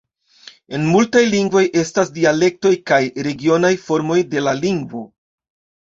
En multaj lingvoj estas dialektoj kaj regionaj formoj de la lingvo.